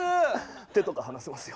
手とか離せますよ。